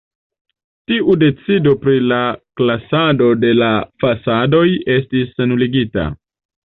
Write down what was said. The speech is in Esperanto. Tiu decido pri la klasado de la fasadoj estis nuligita.